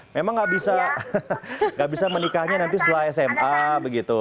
memang nggak bisa menikahnya nanti setelah sma begitu